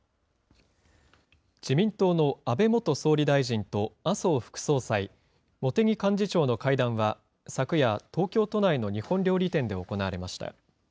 自民党の安倍元総理大臣と麻生副総裁、茂木幹事長の会談は、昨夜、東京都内の日本料理店で行われました。